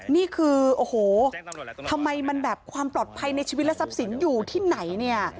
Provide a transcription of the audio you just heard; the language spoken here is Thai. นี่คือโอ้โหทำไมมันแบบความปลอดภัยในชีวิตและทรัพย์สินอยู่ที่ไหนเนี่ย